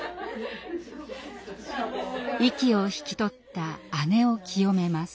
息を引き取った義姉を清めます。